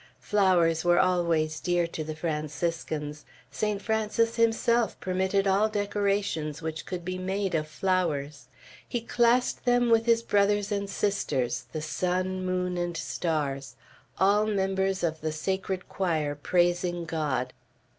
Flowers were always dear to the Franciscans. Saint Francis himself permitted all decorations which could be made of flowers. He classed them with his brothers and sisters, the sun, moon, and stars, all members of the sacred choir praising God.